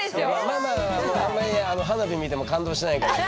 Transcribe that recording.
ママはあんまり花火見ても感動しないからね